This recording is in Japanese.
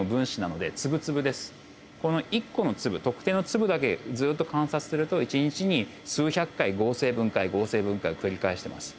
この１個の粒特定の粒だけずっと観察すると１日に数百回合成分解合成分解を繰り返してます。